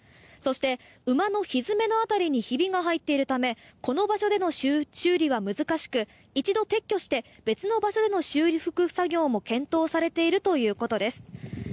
そして、馬のひづめの辺りにひびが入っているためこの場所での修理は難しく一度撤去して別の場所での修復作業も検討されているということです。